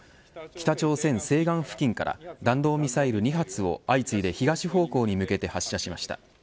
北朝鮮西岸付近から弾道ミサイル２発を相次いで東方向に向けて発射しました。